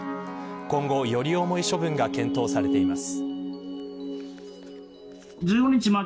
今後、より重い処分が検討されています。